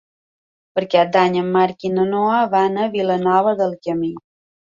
Per Cap d'Any en Marc i na Noa van a Vilanova del Camí.